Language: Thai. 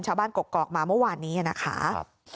ชาวบ้านกอกมาเมื่อวานนี้อ่ะนะคะ